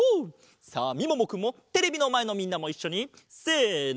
さあみももくんもテレビのまえのみんなもいっしょにせの！